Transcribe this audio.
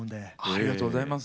ありがとうございます。